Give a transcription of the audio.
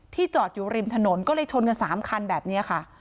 จอดอยู่ริมถนนก็เลยชนกัน๓คันแบบนี้ค่ะ